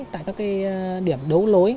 tại các điểm đấu lối